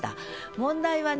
問題はね